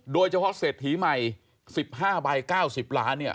โดยเฉพาะเศรษฐีใหม่๑๕ใบ๙๐ล้านเนี่ย